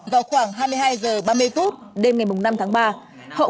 vào khoảng hai mươi hai h ba mươi phút